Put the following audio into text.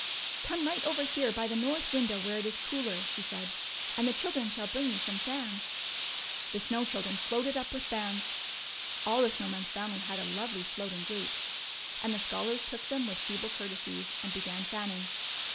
Come right over here by the north window where it is cooler/' said she, and the children shall bring you some fans." The Snow Children floated up with fans — all the Snow Man's family had a lovely floating gait — and the scholars took them Avith feeble courtesies, and began fanning.